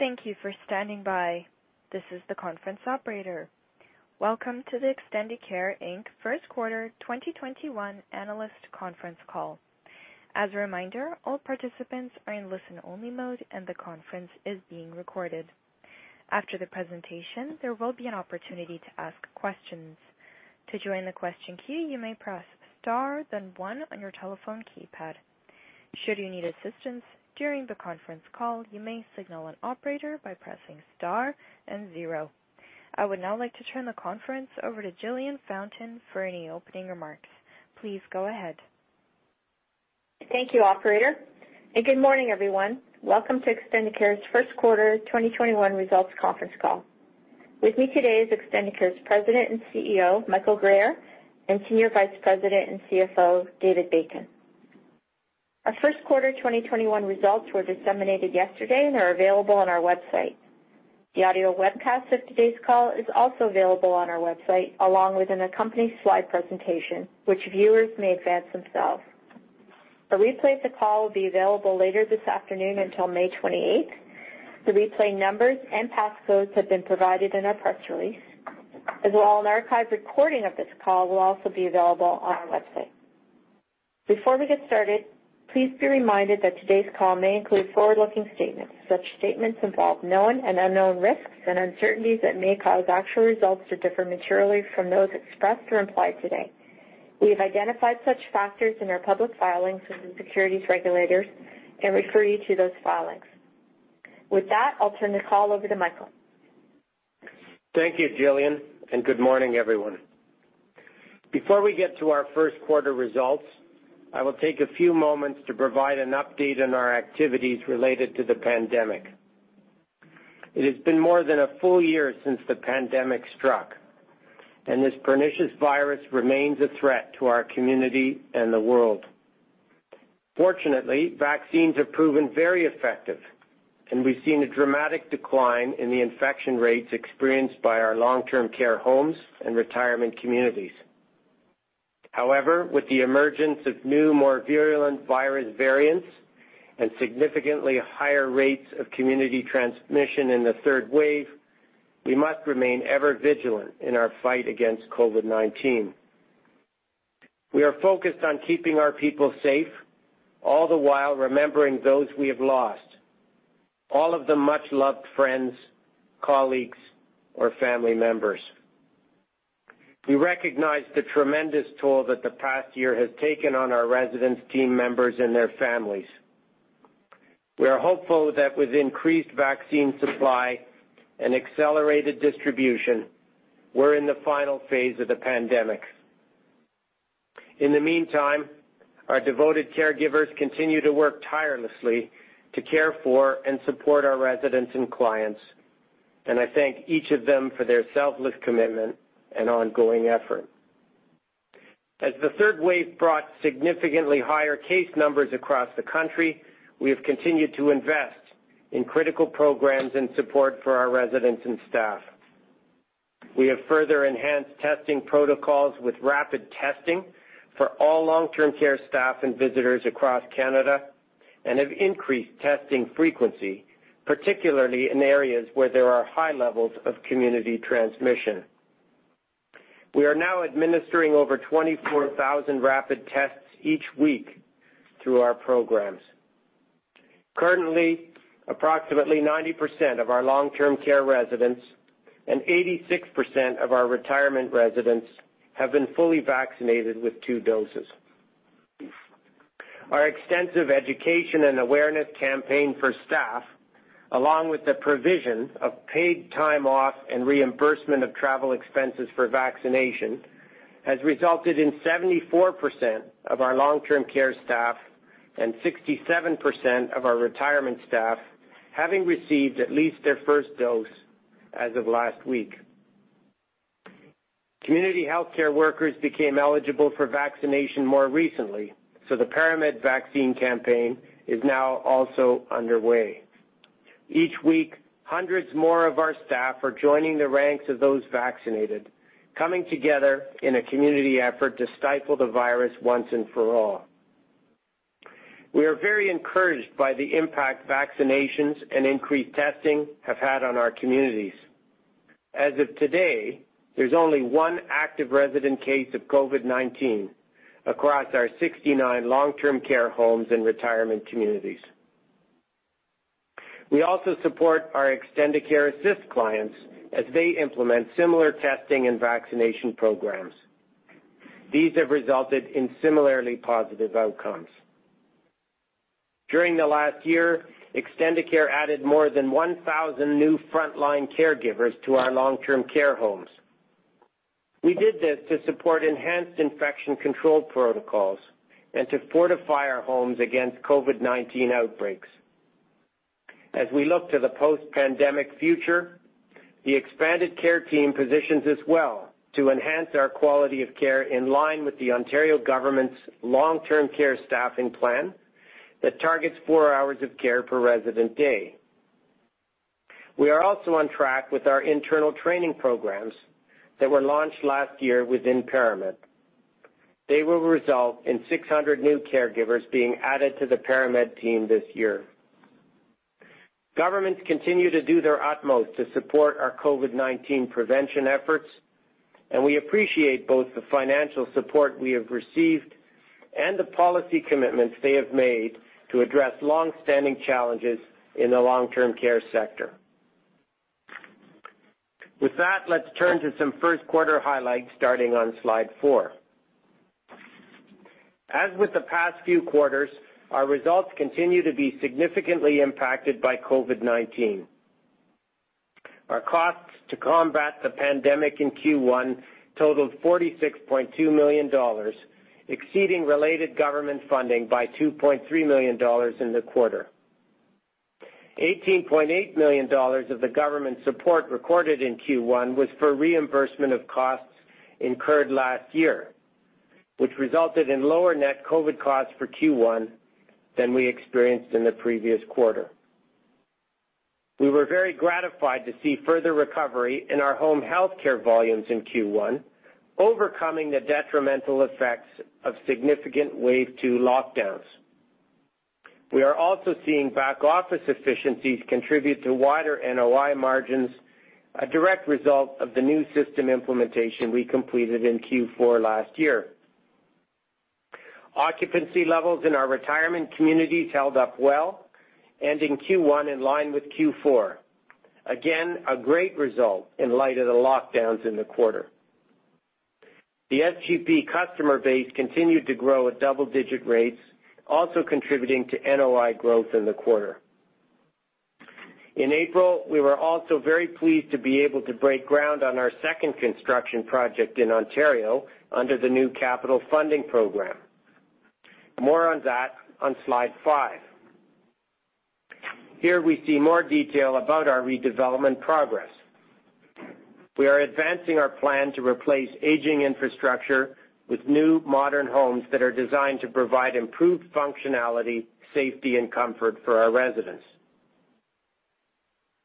Thank you for standing by. This is the conference operator. Welcome to the Extendicare Inc. first quarter 2021 analyst conference call. As a reminder, all participants are in listen only mode and the conference is being recorded. After the presentation, there will be an opportunity to ask questions. To join the question queue, you may press star then one on your telephone keypad. Should you need assistance during the conference call, you may signal an operator by pressing star and zero. I would now like to turn the conference over to Jillian Fountain for any opening remarks. Please go ahead. Thank you, operator, good morning, everyone. Welcome to Extendicare's first quarter 2021 results conference call. With me today is Extendicare's President and CEO, Michael Guerriere, and Senior Vice President and CFO, David Bacon. Our first quarter 2021 results were disseminated yesterday and are available on our website. The audio webcast of today's call is also available on our website, along with an accompanying slide presentation, which viewers may advance themselves. A replay of the call will be available later this afternoon until May 28th. The replay numbers and passcodes have been provided in our press release, as well an archived recording of this call will also be available on our website. Before we get started, please be reminded that today's call may include forward-looking statements. Such statements involve known and unknown risks and uncertainties that may cause actual results to differ materially from those expressed or implied today. We have identified such factors in our public filings with the securities regulators and refer you to those filings. With that, I'll turn the call over to Michael. Thank you, Jillian, and good morning, everyone. Before we get to our first quarter results, I will take a few moments to provide an update on our activities related to the pandemic. It has been more than a full year since the pandemic struck, and this pernicious virus remains a threat to our community and the world. Fortunately, vaccines have proven very effective, and we've seen a dramatic decline in the infection rates experienced by our long-term care homes and retirement communities. However, with the emergence of new, more virulent virus variants and significantly higher rates of community transmission in the third wave, we must remain ever vigilant in our fight against COVID-19. We are focused on keeping our people safe, all the while remembering those we have lost, all of them much-loved friends, colleagues, or family members. We recognize the tremendous toll that the past year has taken on our residents, team members, and their families. We are hopeful that with increased vaccine supply and accelerated distribution, we're in the final phase of the pandemic. In the meantime, our devoted caregivers continue to work tirelessly to care for and support our residents and clients, and I thank each of them for their selfless commitment and ongoing effort. As the third wave brought significantly higher case numbers across the country, we have continued to invest in critical programs and support for our residents and staff. We have further enhanced testing protocols with rapid testing for all long-term care staff and visitors across Canada and have increased testing frequency, particularly in areas where there are high levels of community transmission. We are now administering over 24,000 rapid tests each week through our programs. Currently, approximately 90% of our long-term care residents and 86% of our retirement residents have been fully vaccinated with two doses. Our extensive education and awareness campaign for staff, along with the provision of paid time off and reimbursement of travel expenses for vaccination, has resulted in 74% of our long-term care staff and 67% of our retirement staff having received at least their first dose as of last week. Community healthcare workers became eligible for vaccination more recently, so the ParaMed vaccine campaign is now also underway. Each week, hundreds more of our staff are joining the ranks of those vaccinated, coming together in a community effort to stifle the virus once and for all. We are very encouraged by the impact vaccinations and increased testing have had on our communities. As of today, there's only one active resident case of COVID-19 across our 69 long-term care homes and retirement communities. We also support our Extendicare Assist clients as they implement similar testing and vaccination programs. These have resulted in similarly positive outcomes. During the last year, Extendicare added more than 1,000 new frontline caregivers to our long-term care homes. We did this to support enhanced infection control protocols and to fortify our homes against COVID-19 outbreaks. As we look to the post-pandemic future, the expanded care team positions us well to enhance our quality of care in line with the Ontario government's Long-Term Care Staffing Plan that targets four hours of care per resident day. We are also on track with our internal training programs that were launched last year within ParaMed. They will result in 600 new caregivers being added to the ParaMed team this year. Governments continue to do their utmost to support our COVID-19 prevention efforts, and we appreciate both the financial support we have received and the policy commitments they have made to address longstanding challenges in the long-term care sector. With that, let's turn to some first quarter highlights starting on Slide 4. As with the past few quarters, our results continue to be significantly impacted by COVID-19. Our costs to combat the pandemic in Q1 totaled 46.2 million dollars, exceeding related government funding by 2.3 million dollars in the quarter. 18.8 million dollars of the government support recorded in Q1 was for reimbursement of costs incurred last year, which resulted in lower net COVID costs for Q1 than we experienced in the previous quarter. We were very gratified to see further recovery in our home health care volumes in Q1, overcoming the detrimental effects of significant wave two lockdowns. We are also seeing back office efficiencies contribute to wider NOI margins, a direct result of the new system implementation we completed in Q4 last year. Occupancy levels in our retirement communities held up well, ending Q1 in line with Q4. A great result in light of the lockdowns in the quarter. The SGP customer base continued to grow at double-digit rates, also contributing to NOI growth in the quarter. In April, we were also very pleased to be able to break ground on our second construction project in Ontario under the new Capital Funding program. More on that on Slide 5. Here we see more detail about our redevelopment progress. We are advancing our plan to replace aging infrastructure with new modern homes that are designed to provide improved functionality, safety, and comfort for our residents.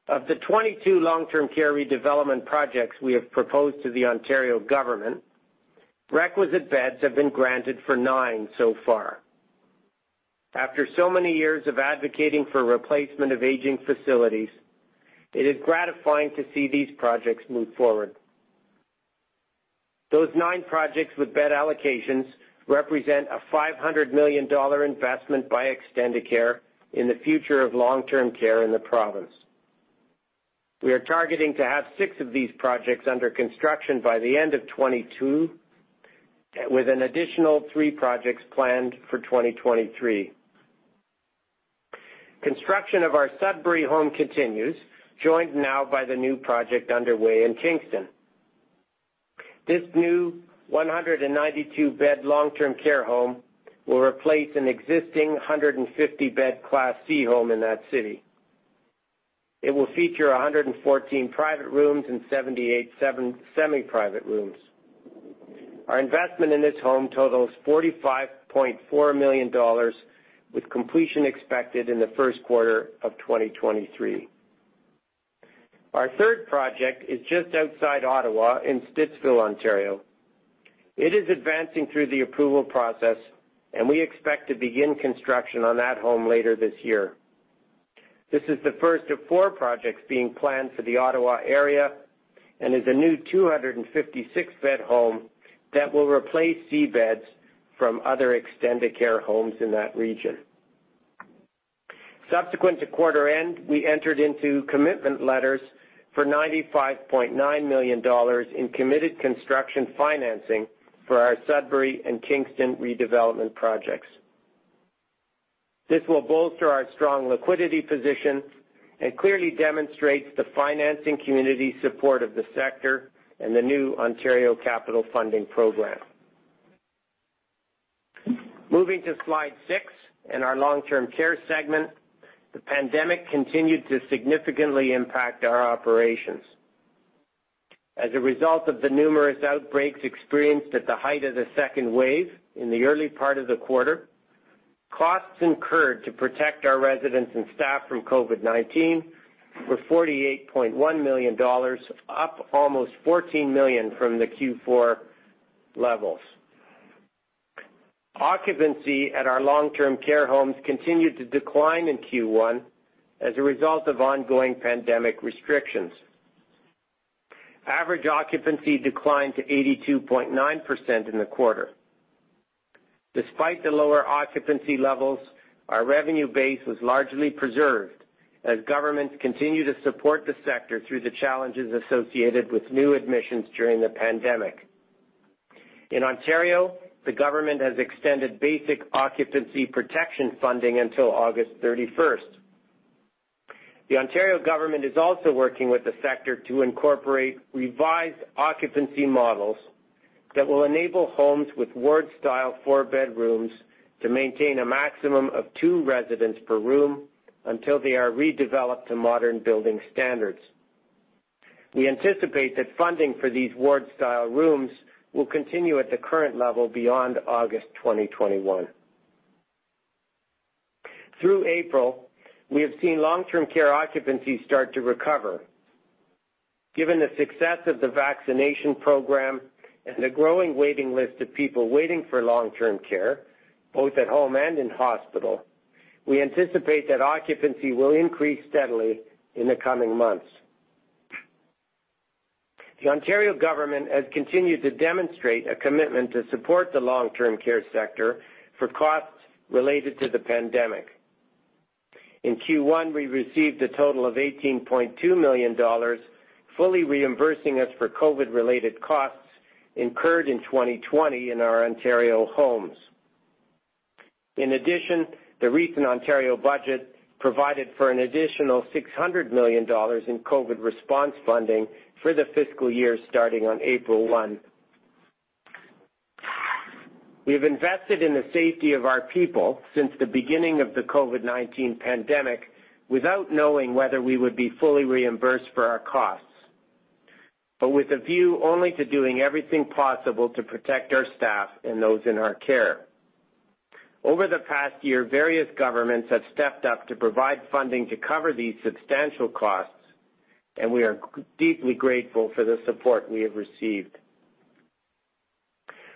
Of the 22 long-term care redevelopment projects we have proposed to the Ontario government, requisite beds have been granted for nine so far. After so many years of advocating for replacement of aging facilities, it is gratifying to see these projects move forward. Those nine projects with bed allocations represent a 500 million dollar investment by Extendicare in the future of long-term care in the province. We are targeting to have six of these projects under construction by the end of 2022, with an additional three projects planned for 2023. Construction of our Sudbury home continues, joined now by the new project underway in Kingston. This new 192-bed long-term care home will replace an existing 150-bed Class C home in that city. It will feature 114 private rooms and 78 semi-private rooms. Our investment in this home totals 45.4 million dollars, with completion expected in the first quarter of 2023. Our third project is just outside Ottawa in Stittsville, Ontario. It is advancing through the approval process, and we expect to begin construction on that home later this year. This is the first of four projects being planned for the Ottawa area and is a new 256-bed home that will replace C beds from other Extendicare homes in that region. Subsequent to quarter end, we entered into commitment letters for 95.9 million dollars in committed construction financing for our Sudbury and Kingston redevelopment projects. This will bolster our strong liquidity position and clearly demonstrates the financing community support of the sector and the new Ontario Capital Funding program. Moving to Slide 6 in our long-term care segment, the pandemic continued to significantly impact our operations. As a result of the numerous outbreaks experienced at the height of the second wave in the early part of the quarter, costs incurred to protect our residents and staff from COVID-19 were 48.1 million dollars, up almost 14 million from the Q4 levels. Occupancy at our long-term care homes continued to decline in Q1 as a result of ongoing pandemic restrictions. Average occupancy declined to 82.9% in the quarter. Despite the lower occupancy levels, our revenue base was largely preserved as governments continue to support the sector through the challenges associated with new admissions during the pandemic. In Ontario, the government has extended basic occupancy protection funding until August 31st. The Ontario government is also working with the sector to incorporate revised occupancy models that will enable homes with ward-style four-bed rooms to maintain a maximum of two residents per room until they are redeveloped to modern building standards. We anticipate that funding for these ward-style rooms will continue at the current level beyond August 2021. Through April, we have seen long-term care occupancy start to recover. Given the success of the vaccination program and the growing waiting list of people waiting for long-term care, both at home and in hospital, we anticipate that occupancy will increase steadily in the coming months. The Ontario government has continued to demonstrate a commitment to support the long-term care sector for costs related to the pandemic. In Q1, we received a total of 18.2 million dollars, fully reimbursing us for COVID related costs incurred in 2020 in our Ontario homes. In addition, the recent Ontario budget provided for an additional 600 million dollars in COVID response funding for the fiscal year starting on April 1. We have invested in the safety of our people since the beginning of the COVID-19 pandemic without knowing whether we would be fully reimbursed for our costs, but with a view only to doing everything possible to protect our staff and those in our care. Over the past year, various governments have stepped up to provide funding to cover these substantial costs, and we are deeply grateful for the support we have received.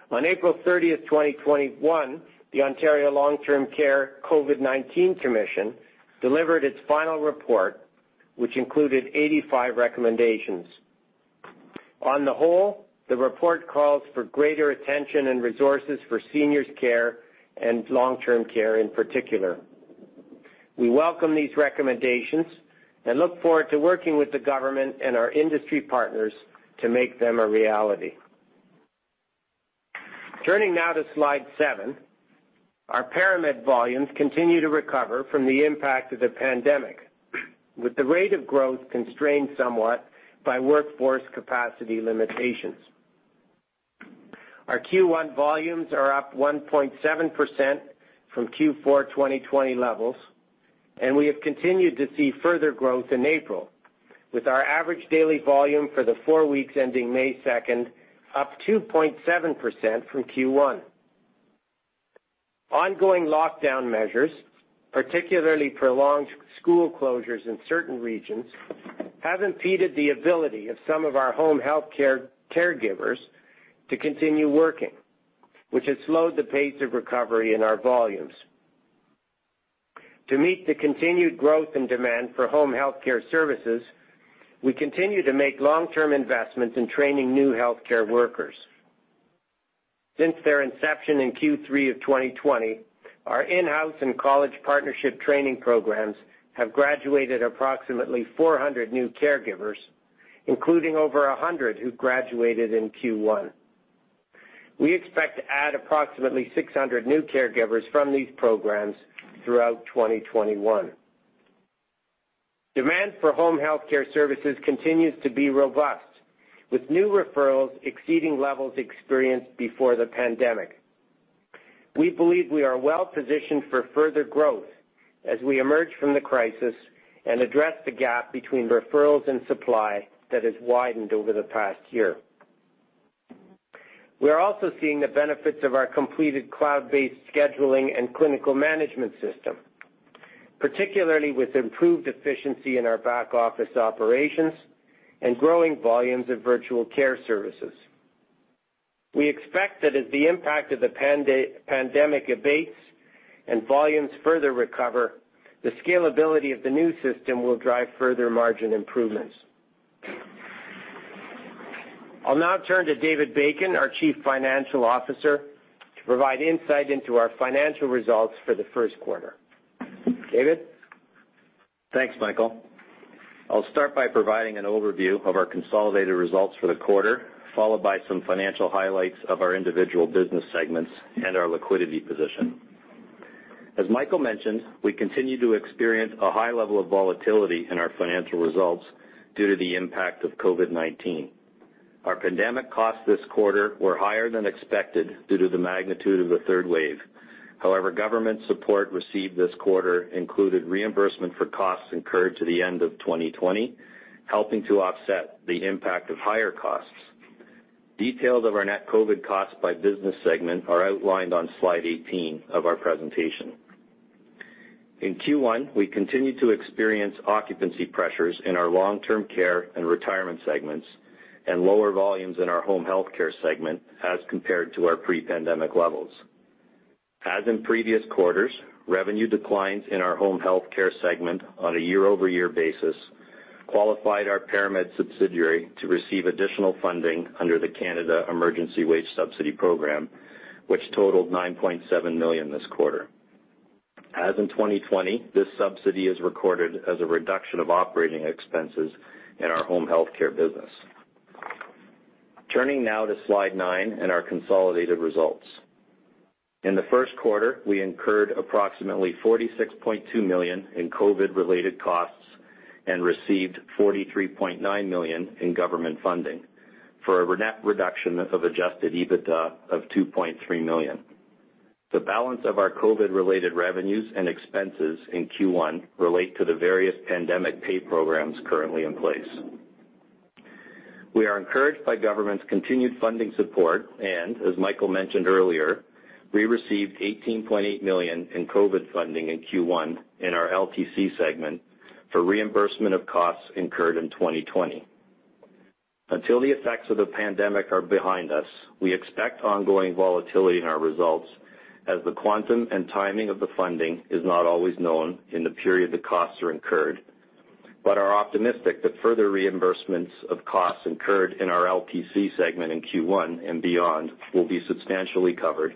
On April 30th, 2021, the Ontario's Long-Term Care COVID-19 Commission delivered its final report, which included 85 recommendations. On the whole, the report calls for greater attention and resources for seniors care and long-term care in particular. We welcome these recommendations and look forward to working with the government and our industry partners to make them a reality. Turning now to Slide 7, our ParaMed volumes continue to recover from the impact of the pandemic, with the rate of growth constrained somewhat by workforce capacity limitations. Our Q1 volumes are up 1.7% from Q4 2020 levels. We have continued to see further growth in April, with our average daily volume for the four weeks ending May 2nd up 2.7% from Q1. Ongoing lockdown measures, particularly prolonged school closures in certain regions, have impeded the ability of some of our home health care caregivers to continue working, which has slowed the pace of recovery in our volumes. To meet the continued growth and demand for home health care services, we continue to make long-term investments in training new health care workers. Since their inception in Q3 of 2020, our in-house and college partnership training programs have graduated approximately 400 new caregivers, including over 100 who graduated in Q1. We expect to add approximately 600 new caregivers from these programs throughout 2021. Demand for home health care services continues to be robust, with new referrals exceeding levels experienced before the pandemic. We believe we are well-positioned for further growth as we emerge from the crisis and address the gap between referrals and supply that has widened over the past year. We are also seeing the benefits of our completed cloud-based scheduling and clinical management system, particularly with improved efficiency in our back-office operations and growing volumes of virtual care services. We expect that as the impact of the pandemic abates and volumes further recover, the scalability of the new system will drive further margin improvements. I'll now turn to David Bacon, our Chief Financial Officer, to provide insight into our financial results for the first quarter. David? Thanks, Michael. I'll start by providing an overview of our consolidated results for the quarter, followed by some financial highlights of our individual business segments and our liquidity position. As Michael mentioned, we continue to experience a high level of volatility in our financial results due to the impact of COVID-19. Our pandemic costs this quarter were higher than expected due to the magnitude of the third wave. However, government support received this quarter included reimbursement for costs incurred to the end of 2020, helping to offset the impact of higher costs. Details of our net COVID costs by business segment are outlined on Slide 18 of our presentation. In Q1, we continued to experience occupancy pressures in our long-term care and retirement segments and lower volumes in our home health care segment as compared to our pre-pandemic levels. As in previous quarters, revenue declines in our home health care segment on a year-over-year basis qualified our ParaMed subsidiary to receive additional funding under the Canada Emergency Wage Subsidy Program, which totaled 9.7 million this quarter. As in 2020, this subsidy is recorded as a reduction of operating expenses in our home health care business. Turning now to Slide 9 and our consolidated results. In the first quarter, we incurred approximately 46.2 million in COVID-related costs and received 43.9 million in government funding, for a net reduction of Adjusted EBITDA of 2.3 million. The balance of our COVID-related revenues and expenses in Q1 relate to the various pandemic pay programs currently in place. We are encouraged by government's continued funding support, and as Michael Guerriere mentioned earlier, we received 18.8 million in COVID funding in Q1 in our LTC segment for reimbursement of costs incurred in 2020. Until the effects of the pandemic are behind us, we expect ongoing volatility in our results as the quantum and timing of the funding is not always known in the period the costs are incurred, are optimistic that further reimbursements of costs incurred in our LTC segment in Q1 and beyond will be substantially covered,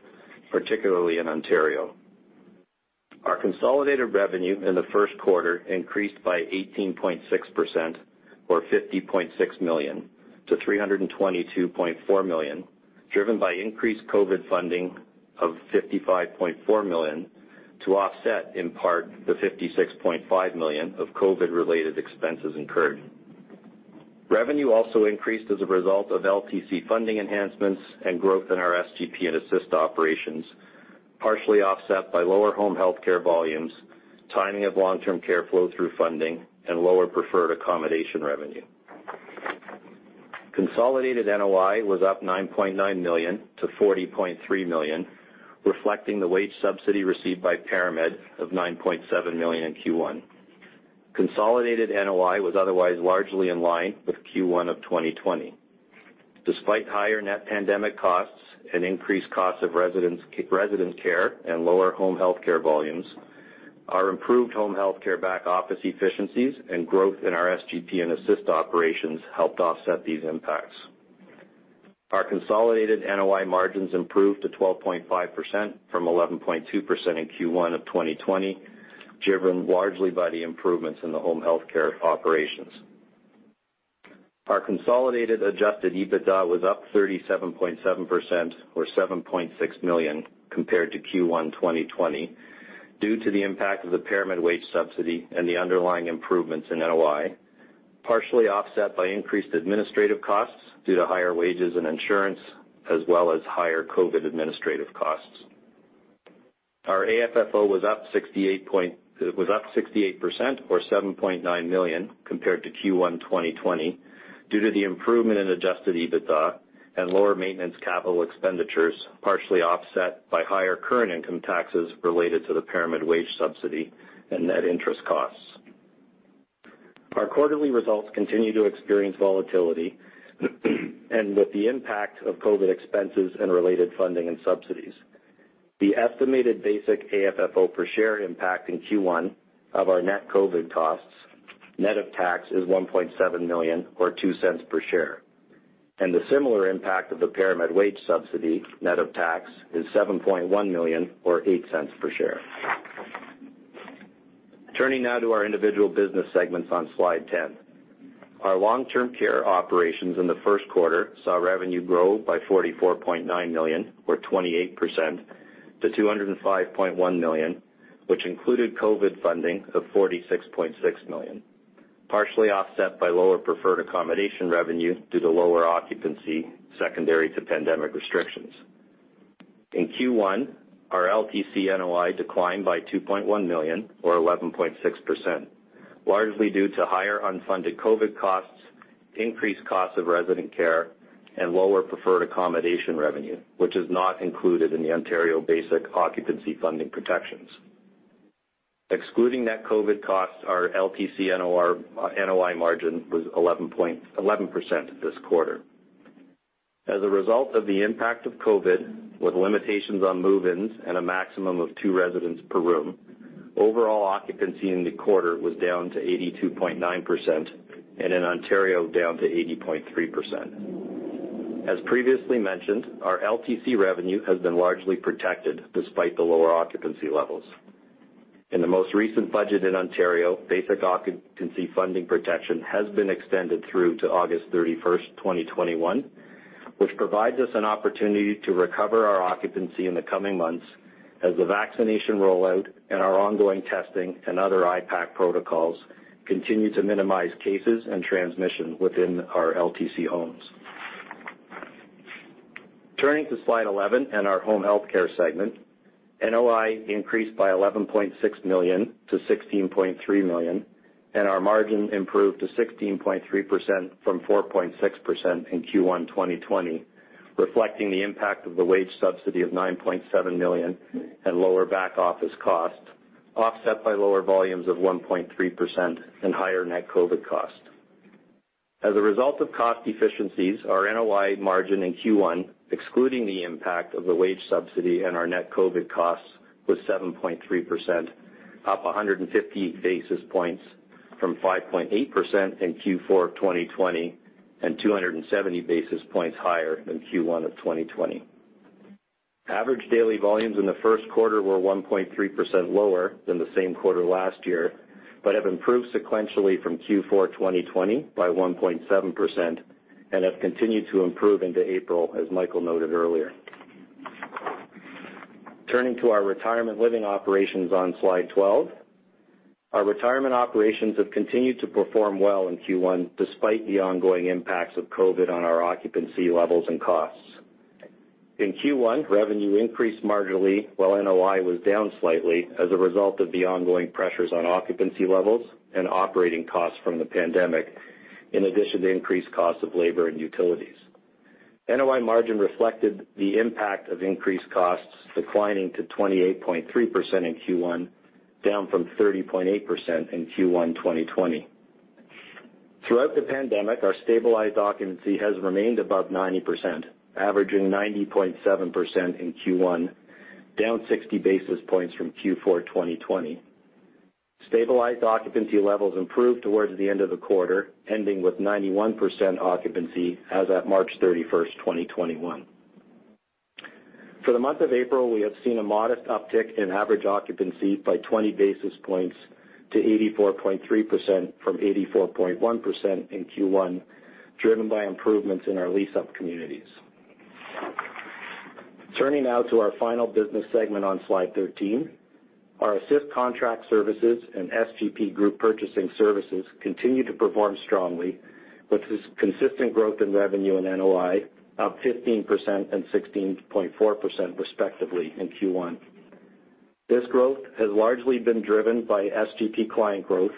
particularly in Ontario. Our consolidated revenue in the first quarter increased by 18.6%, or 50.6 million to 322.4 million, driven by increased COVID funding of 55.4 million to offset in part the 56.5 million of COVID related expenses incurred. Revenue also increased as a result of LTC funding enhancements and growth in our SGP and Assist operations, partially offset by lower home health care volumes, timing of long-term care flow through funding, and lower preferred accommodation revenue. Consolidated NOI was up 9.9 million to 40.3 million, reflecting the wage subsidy received by ParaMed of 9.7 million in Q1. Consolidated NOI was otherwise largely in line with Q1 of 2020. Despite higher net pandemic costs and increased costs of resident care and lower home health care volumes, our improved home health care back office efficiencies and growth in our SGP and Assist operations helped offset these impacts. Our consolidated NOI margins improved to 12.5% from 11.2% in Q1 of 2020, driven largely by the improvements in the home health care operations. Our consolidated Adjusted EBITDA was up 37.7%, or 7.6 million compared to Q1 2020 due to the impact of the ParaMed wage subsidy and the underlying improvements in NOI, partially offset by increased administrative costs due to higher wages and insurance, as well as higher COVID administrative costs. Our AFFO was up 68% or 7.9 million compared to Q1 2020 due to the improvement in Adjusted EBITDA and lower maintenance capital expenditures, partially offset by higher current income taxes related to the ParaMed wage subsidy and net interest costs. Our quarterly results continue to experience volatility, and with the impact of COVID expenses and related funding and subsidies. The estimated basic AFFO per share impact in Q1 of our net COVID costs net of tax is 1.7 million or 0.02 per share, and the similar impact of the ParaMed wage subsidy, net of tax, is 7.1 million or 0.08 per share. Turning now to our individual business segments on Slide 10. Our long-term care operations in the first quarter saw revenue grow by 44.9 million or 28% to 205.1 million, which included COVID funding of 46.6 million, partially offset by lower preferred accommodation revenue due to lower occupancy secondary to pandemic restrictions. In Q1, our LTC NOI declined by 2.1 million or 11.6%, largely due to higher unfunded COVID costs, increased costs of resident care, and lower preferred accommodation revenue, which is not included in the Ontario basic occupancy funding protections. Excluding net COVID costs, our LTC NOI margin was 11% this quarter. As a result of the impact of COVID with limitations on move-ins and a maximum of two residents per room, overall occupancy in the quarter was down to 82.9%, and in Ontario, down to 80.3%. As previously mentioned, our LTC revenue has been largely protected despite the lower occupancy levels. In the most recent budget in Ontario, basic occupancy funding protection has been extended through to August 31st, 2021, which provides us an opportunity to recover our occupancy in the coming months as the vaccination rollout and our ongoing testing and other IPAC protocols continue to minimize cases and transmission within our LTC homes. Turning to Slide 11 and our home health care segment. NOI increased by 11.6 million to 16.3 million, and our margin improved to 16.3% from 4.6% in Q1 2020, reflecting the impact of the Wage Subsidy of 9.7 million and lower back office cost, offset by lower volumes of 1.3% and higher net COVID cost. As a result of cost efficiencies, our NOI margin in Q1, excluding the impact of the wage subsidy and our net COVID costs, was 7.3%, up 150 basis points from 5.8% in Q4 of 2020 and 270 basis points higher than Q1 of 2020. Average daily volumes in the first quarter were 1.3% lower than the same quarter last year, but have improved sequentially from Q4 2020 by 1.7% and have continued to improve into April, as Michael noted earlier. Turning to our retirement living operations on Slide 12. Our retirement operations have continued to perform well in Q1 despite the ongoing impacts of COVID on our occupancy levels and costs. In Q1, revenue increased marginally, while NOI was down slightly as a result of the ongoing pressures on occupancy levels and operating costs from the pandemic, in addition to increased cost of labor and utilities. NOI margin reflected the impact of increased costs declining to 28.3% in Q1, down from 30.8% in Q1 2020. Throughout the pandemic, our stabilized occupancy has remained above 90%, averaging 90.7% in Q1, down 60 basis points from Q4 2020. Stabilized occupancy levels improved towards the end of the quarter, ending with 91% occupancy as at March 31st, 2021. For the month of April, we have seen a modest uptick in average occupancy by 20 basis points to 84.3% from 84.1% in Q1, driven by improvements in our lease-up communities. Turning now to our final business segment on Slide 13. Our Assist Contract Services and SGP group purchasing services continue to perform strongly with this consistent growth in revenue and NOI, up 15% and 16.4% respectively in Q1. This growth has largely been driven by SGP client growth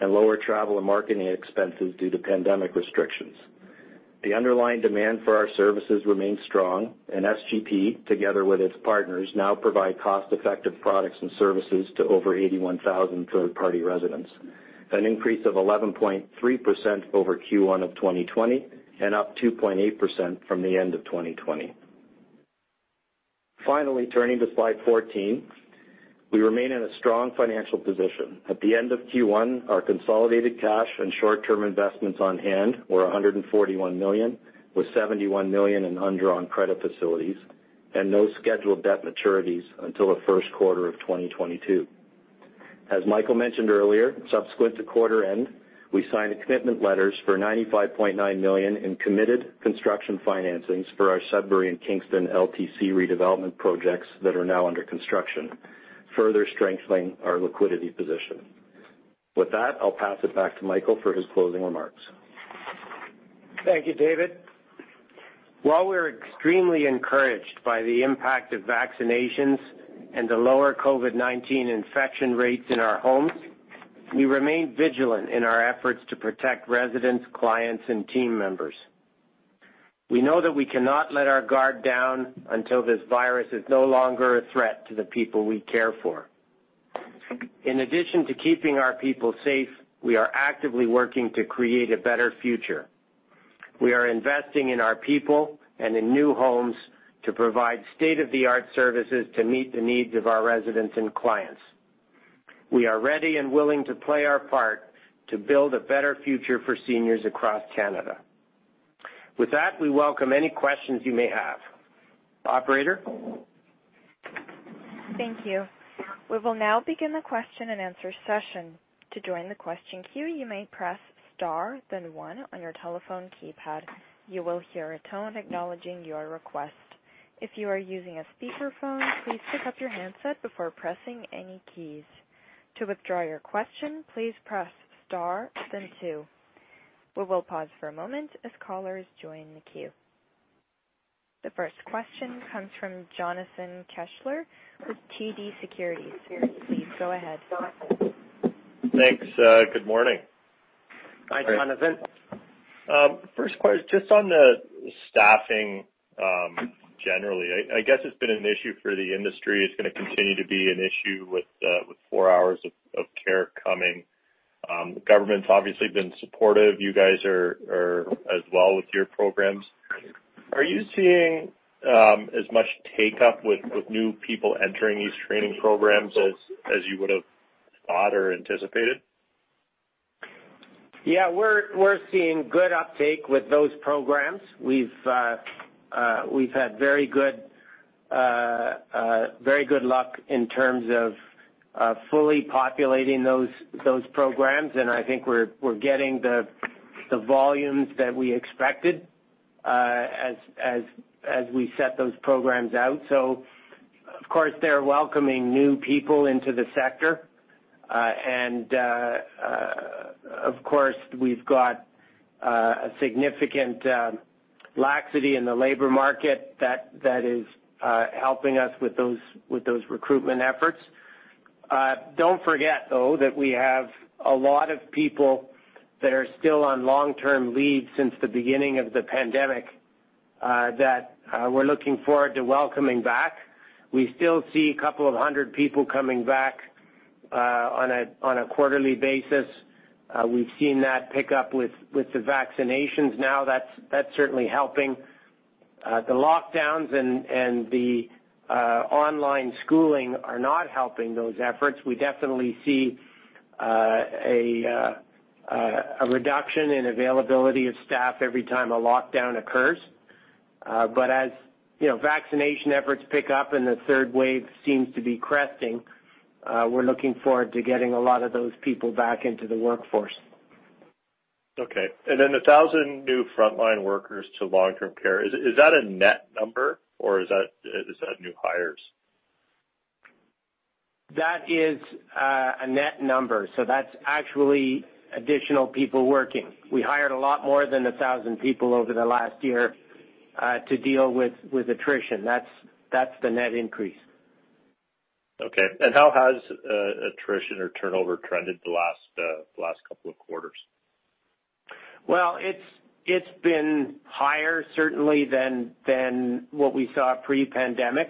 and lower travel and marketing expenses due to pandemic restrictions. The underlying demand for our services remains strong, and SGP, together with its partners, now provide cost-effective products and services to over 81,000 third-party residents, an increase of 11.3% over Q1 of 2020 and up 2.8% from the end of 2020. Finally, turning to Slide 14, we remain in a strong financial position. At the end of Q1, our consolidated cash and short-term investments on hand were 141 million, with 71 million in undrawn credit facilities, and no scheduled debt maturities until the first quarter of 2022. As Michael mentioned earlier, subsequent to quarter end, we signed commitment letters for 95.9 million in committed construction financings for our Sudbury and Kingston LTC redevelopment projects that are now under construction, further strengthening our liquidity position. With that, I'll pass it back to Michael for his closing remarks. Thank you, David. While we're extremely encouraged by the impact of vaccinations and the lower COVID-19 infection rates in our homes, we remain vigilant in our efforts to protect residents, clients, and team members. We know that we cannot let our guard down until this virus is no longer a threat to the people we care for. In addition to keeping our people safe, we are actively working to create a better future. We are investing in our people and in new homes to provide state-of-the-art services to meet the needs of our residents and clients. We are ready and willing to play our part to build a better future for seniors across Canada. With that, we welcome any questions you may have. Operator? Thank you. We will now begin the question and answer session. To join the question queue you may press star then one on the telephone keypad, you will hear a tone acknowledging your request. If you are using a speaker phone, please pick up your handset before pressing any keys. To withdraw your questions please press star then two. We will pause for a moment as callers join the queue. The first question comes from Jonathan Kelcher with TD Securities. Please go ahead, Jonathan. Thanks. Good morning. Hi, Jonathan. First question, just on the staffing, generally. I guess it's been an issue for the industry. It's going to continue to be an issue with four hours of care coming. The government's obviously been supportive. You guys are as well with your programs. Are you seeing as much take up with new people entering these training programs as you would've thought or anticipated? Yeah. We're seeing good uptake with those programs. We've had very good luck in terms of fully populating those programs. I think we're getting the volumes that we expected as we set those programs out. Of course, they're welcoming new people into the sector. Of course, we've got a significant laxity in the labor market that is helping us with those recruitment efforts. Don't forget, though, that we have a lot of people that are still on long-term leave since the beginning of the pandemic, that we're looking forward to welcoming back. We still see a couple of hundred people coming back on a quarterly basis. We've seen that pick up with the vaccinations now. That's certainly helping. The lockdowns and the online schooling are not helping those efforts. We definitely see a reduction in availability of staff every time a lockdown occurs. As vaccination efforts pick up and the third wave seems to be cresting, we're looking forward to getting a lot of those people back into the workforce. Okay. 1,000 new frontline workers to long-term care, is that a net number or is that new hires? That is a net number, that's actually additional people working. We hired a lot more than 1,000 people over the last year to deal with attrition. That's the net increase. Okay, how has attrition or turnover trended the last couple of quarters? Well, it's been higher certainly than what we saw pre-pandemic.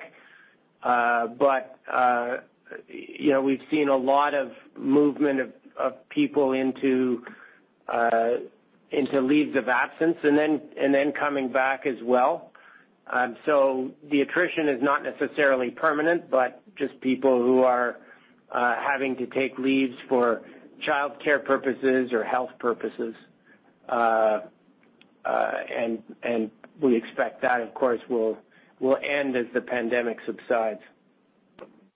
We've seen a lot of movement of people into leaves of absence, and then coming back as well. The attrition is not necessarily permanent, but just people who are having to take leaves for childcare purposes or health purposes. We expect that, of course, will end as the pandemic subsides.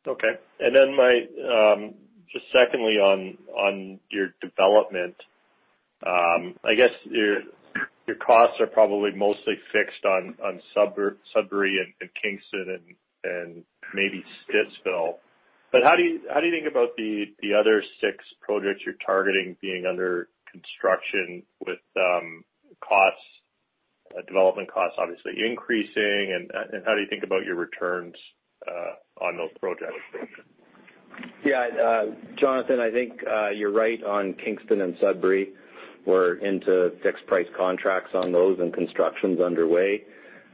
Okay. Just secondly on your development, I guess your costs are probably mostly fixed on Sudbury and Kingston and maybe Stittsville. How do you think about the other six projects you're targeting being under construction with development costs obviously increasing, and how do you think about your returns on those projects? Yeah, Jonathan, I think you're right on Kingston and Sudbury. We're into fixed price contracts on those. Construction's underway.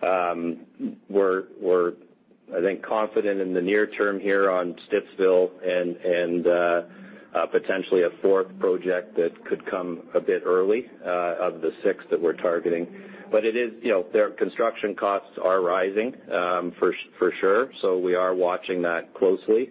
We're, I think, confident in the near term here on Stittsville and potentially a fourth project that could come a bit early of the six that we're targeting. Construction costs are rising for sure. We are watching that closely.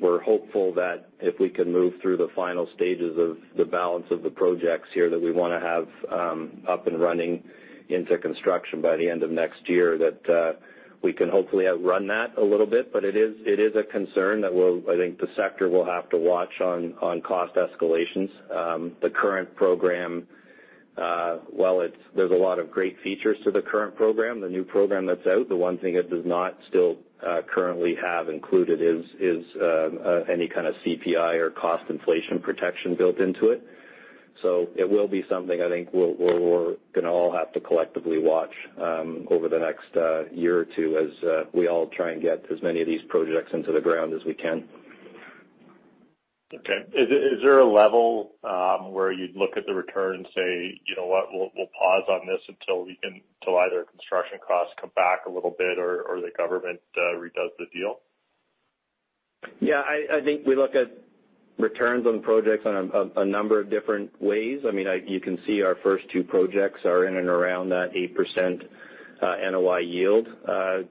We're hopeful that if we can move through the final stages of the balance of the projects here that we want to have up and running into construction by the end of next year, that we can hopefully outrun that a little bit. It is a concern that I think the sector will have to watch on cost escalations. The current program, while there's a lot of great features to the current program, the new program that's out, the one thing it does not still currently have included is any kind of CPI or cost inflation protection built into it. It will be something I think we're going to all have to collectively watch over the next year or two as we all try and get as many of these projects into the ground as we can. Okay. Is there a level where you'd look at the return and say, you know what? We'll pause on this until either construction costs come back a little bit or the government redoes the deal? Yeah, I think we look at returns on projects on a number of different ways. You can see our first two projects are in and around that 8% NOI yield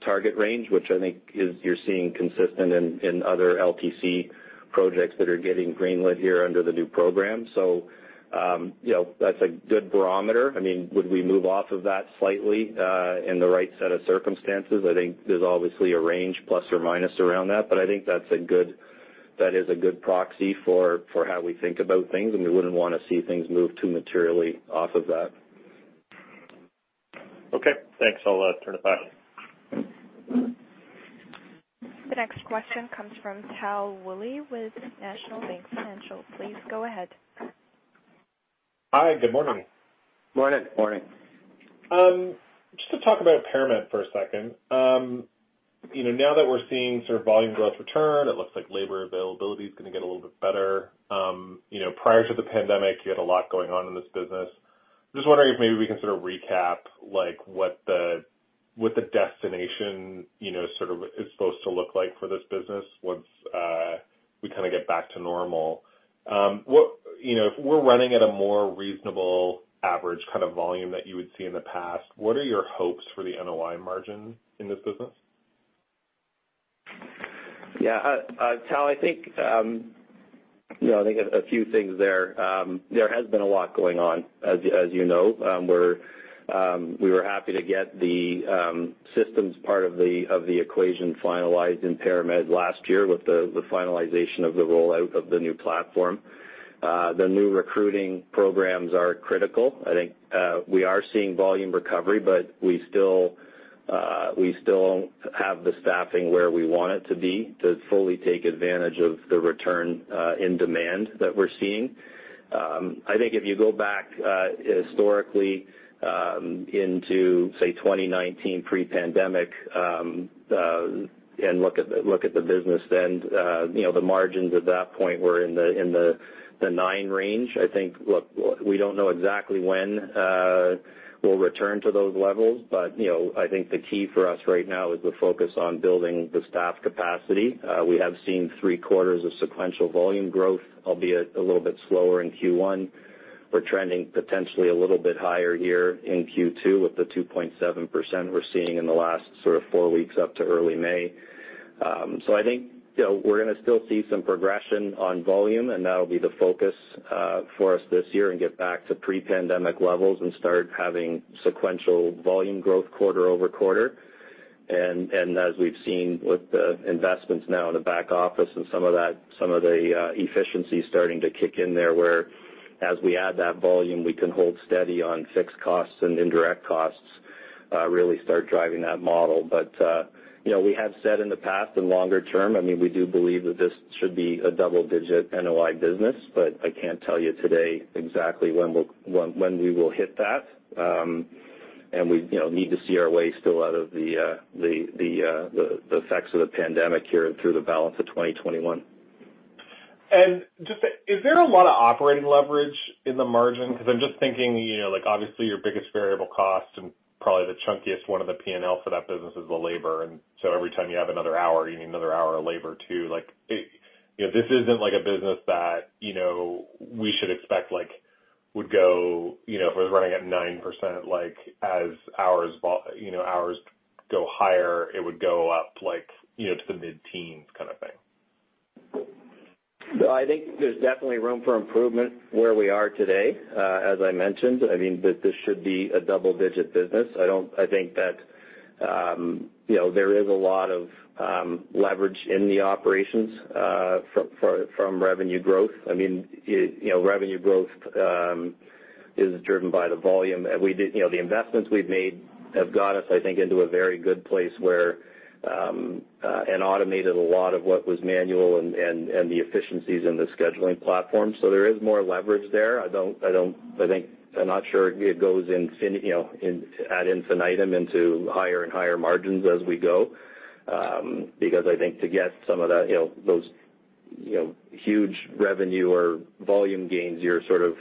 target range, which I think you're seeing consistent in other LTC projects that are getting green-lit here under the new program. That's a good barometer. Would we move off of that slightly in the right set of circumstances? I think there's obviously a range, ± around that, but I think that is a good proxy for how we think about things, and we wouldn't want to see things move too materially off of that. Okay, thanks. I'll turn it back. The next question comes from Tal Woolley with National Bank Financial. Please go ahead. Hi, good morning. Morning. Morning. Just to talk about ParaMed for a second. Now that we're seeing sort of volume growth return, it looks like labor availability is going to get a little bit better. Prior to the pandemic, you had a lot going on in this business. I'm just wondering if maybe we can sort of recap what the destination sort of is supposed to look like for this business once we kind of get back to normal. If we're running at a more reasonable average kind of volume that you would see in the past, what are your hopes for the NOI margin in this business? Yeah, Tal, I think a few things there. There has been a lot going on, as you know. We were happy to get the systems part of the equation finalized in ParaMed last year with the finalization of the rollout of the new platform. The new recruiting programs are critical. I think we are seeing volume recovery, but we still don't have the staffing where we want it to be to fully take advantage of the return in demand that we're seeing. I think if you go back historically into, say, 2019 pre-pandemic, and look at the business then, the margins at that point were in the nine range. I think, look, we don't know exactly when we'll return to those levels, but I think the key for us right now is the focus on building the staff capacity. We have seen three quarters of sequential volume growth, albeit a little bit slower in Q1. We're trending potentially a little bit higher here in Q2 with the 2.7% we're seeing in the last sort of four weeks up to early May. I think we're going to still see some progression on volume, and that'll be the focus for us this year and get back to pre-pandemic levels and start having sequential volume growth quarter-over-quarter. As we've seen with the investments now in the back office and some of the efficiency starting to kick in there where as we add that volume, we can hold steady on fixed costs and indirect costs, really start driving that model. We have said in the past, in longer term, we do believe that this should be a double-digit NOI business, but I can't tell you today exactly when we will hit that. We need to see our way still out of the effects of the pandemic here and through the balance of 2021. Just, is there a lot of operating leverage in the margin? I'm just thinking, obviously, your biggest variable cost and probably the chunkiest one of the P&L for that business is the labor. Every time you have another hour, you need another hour of labor, too. This isn't a business that we should expect would go, if it was running at 9%, as hours go higher, it would go up to the mid-teens kind of thing. I think there's definitely room for improvement where we are today. As I mentioned, this should be a double-digit business. I think that there is a lot of leverage in the operations, from revenue growth. Revenue growth is driven by the volume. The investments we've made have got us, I think, into a very good place where, and automated a lot of what was manual and the efficiencies in the scheduling platform. There is more leverage there. I'm not sure it goes ad infinitum into higher and higher margins as we go. I think to get some of those huge revenue or volume gains you're sort of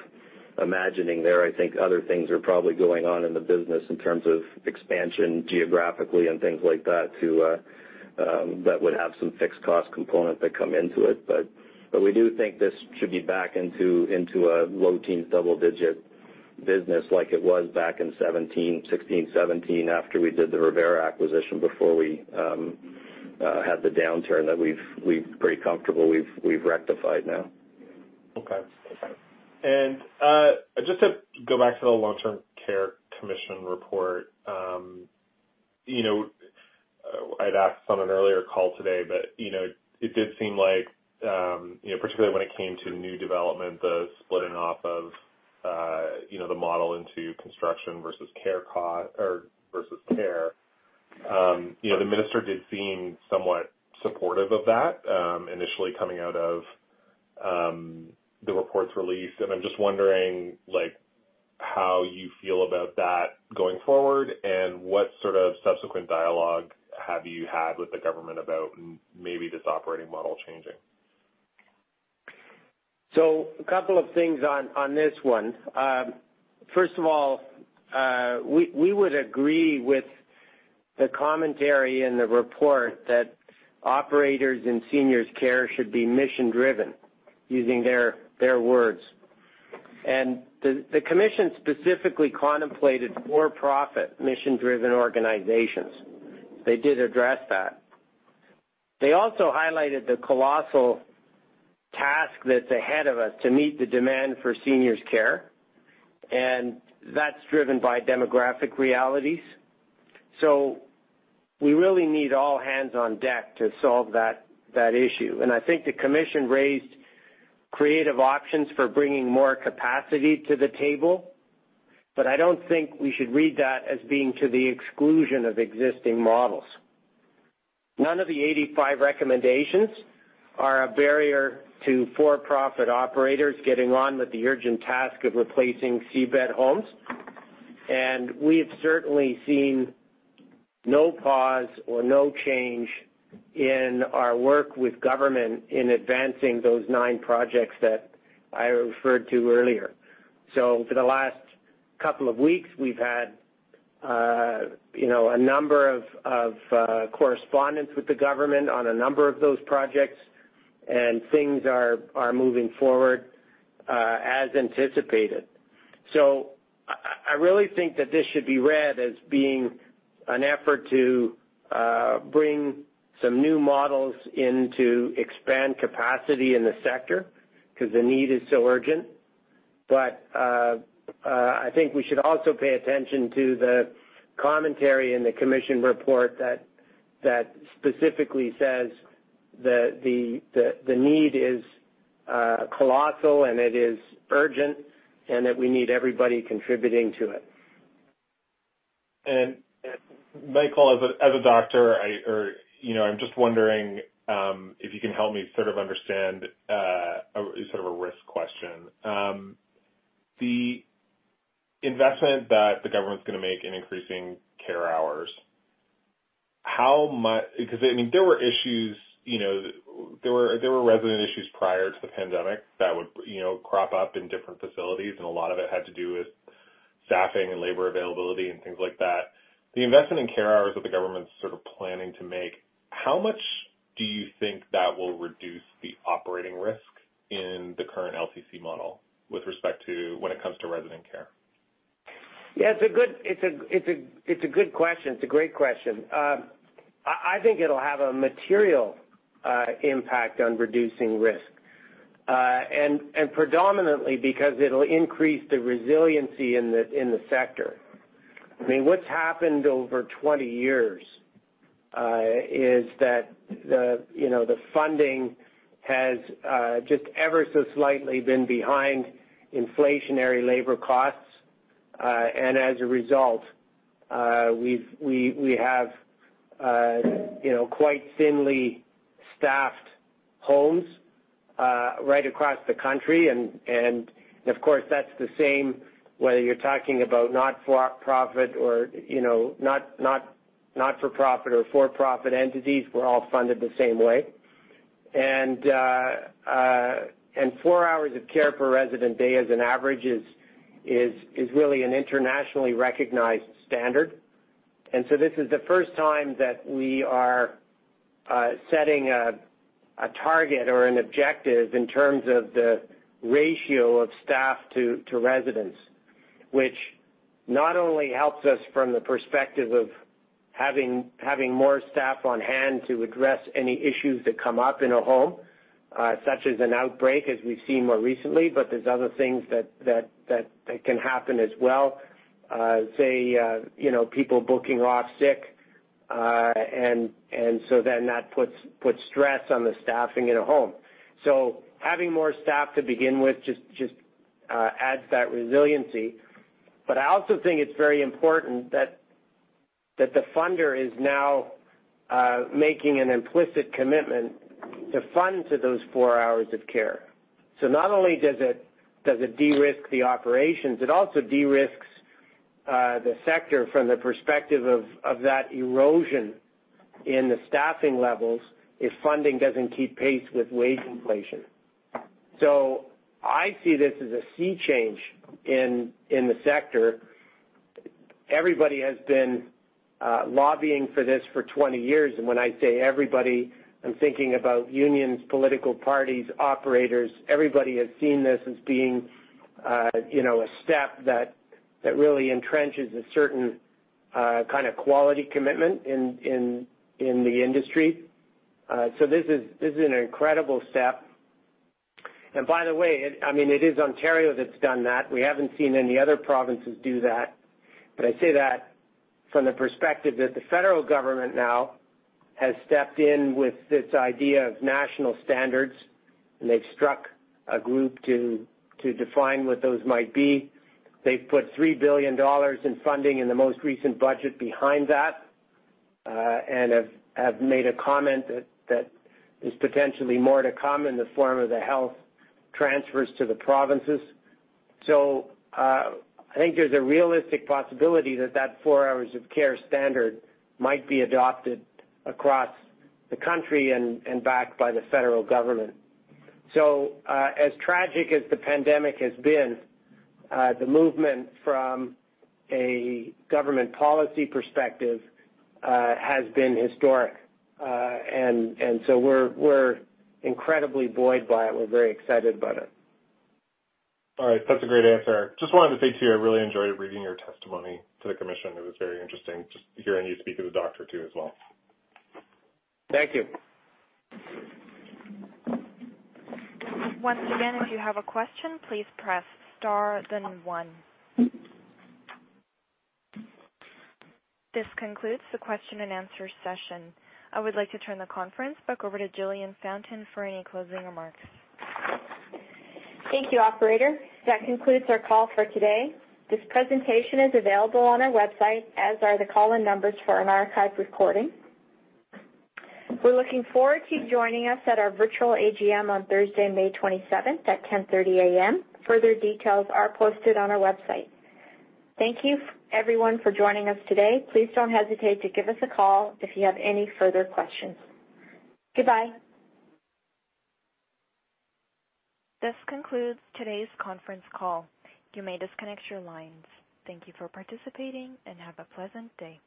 imagining there, I think other things are probably going on in the business in terms of expansion geographically and things like that would have some fixed cost component that come into it. We do think this should be back into a low teens, double-digit business like it was back in 2016, 2017, after we did the Revera acquisition, before we had the downturn that we're pretty comfortable we've rectified now. Okay. Just to go back to the Long-Term Care Commission report. I'd asked on an earlier call today, it did seem like, particularly when it came to new development, the splitting off of the model into construction versus care. The minister did seem somewhat supportive of that, initially coming out of the reports released. I'm just wondering how you feel about that going forward, and what sort of subsequent dialogue have you had with the government about maybe this operating model changing? A couple of things on this one. First of all, we would agree with the commentary in the report that operators in seniors care should be mission-driven, using their words. The commission specifically contemplated for-profit, mission-driven organizations. They did address that. They also highlighted the colossal task that's ahead of us to meet the demand for seniors care, and that's driven by demographic realities. We really need all hands on deck to solve that issue. I think the commission raised creative options for bringing more capacity to the table, but I don't think we should read that as being to the exclusion of existing models. None of the 85 recommendations are a barrier to for-profit operators getting on with the urgent task of replacing C-bed homes. We have certainly seen no pause or no change in our work with government in advancing those nine projects that I referred to earlier. For the last couple of weeks, we've had a number of correspondence with the government on a number of those projects, and things are moving forward as anticipated. I really think that this should be read as being an effort to bring some new models in to expand capacity in the sector because the need is so urgent. I think we should also pay attention to the commentary in the commission report that specifically says that the need is colossal and it is urgent, and that we need everybody contributing to it. Michael, as a doctor, I'm just wondering if you can help me sort of understand a risk question. The investment that the government's going to make in increasing care hours. There were resident issues prior to the pandemic that would crop up in different facilities, and a lot of it had to do with staffing and labor availability and things like that. The investment in care hours that the government's sort of planning to make, how much do you think that will reduce the operating risk in the current LTC model with respect to when it comes to resident care? Yeah, it's a good question. It's a great question. I think it'll have a material impact on reducing risk. Predominantly because it'll increase the resiliency in the sector. What's happened over 20 years is that the funding has just ever so slightly been behind inflationary labor costs. As a result, we have quite thinly staffed homes right across the country. Of course, that's the same whether you're talking about not-for-profit or for-profit entities, we're all funded the same way. Four hours of care per resident day as an average is really an internationally recognized standard. This is the first time that we are setting a target or an objective in terms of the ratio of staff to residents, which not only helps us from the perspective of having more staff on hand to address any issues that come up in a home, such as an outbreak, as we've seen more recently, but there's other things that can happen as well. Say, people booking off sick, that puts stress on the staffing in a home. Having more staff to begin with just adds that resiliency. I also think it's very important that the funder is now making an implicit commitment to fund to those four hours of care. Not only does it de-risk the operations, it also de-risks the sector from the perspective of that erosion in the staffing levels if funding doesn't keep pace with wage inflation. I see this as a sea change in the sector. Everybody has been lobbying for this for 20 years, and when I say everybody, I'm thinking about unions, political parties, operators. Everybody has seen this as being a step that really entrenches a certain kind of quality commitment in the industry. This is an incredible step. By the way, it is Ontario that's done that. We haven't seen any other provinces do that. I say that from the perspective that the federal government now has stepped in with this idea of national standards, and they've struck a group to define what those might be. They've put 3 billion dollars in funding in the most recent budget behind that, and have made a comment that there's potentially more to come in the form of the health transfers to the provinces. I think there's a realistic possibility that four hours of care standard might be adopted across the country and backed by the federal government. As tragic as the pandemic has been, the movement from a government policy perspective has been historic. We're incredibly buoyed by it. We're very excited about it. All right. That's a great answer. Just wanted to say, too, I really enjoyed reading your testimony to the commission. It was very interesting just hearing you speak as a doctor too as well. Thank you. Once again, if you have a question, please press star, then one. This concludes the question and answer session. I would like to turn the conference back over to Jillian Fountain for any closing remarks. Thank you, operator. That concludes our call for today. This presentation is available on our website, as are the call-in numbers for an archived recording. We're looking forward to you joining us at our virtual AGM on Thursday, May 27th at 10:30 A.M. Further details are posted on our website. Thank you everyone for joining us today. Please don't hesitate to give us a call if you have any further questions. Goodbye. This concludes today's conference call. You may disconnect your lines. Thank you for participating and have a pleasant day.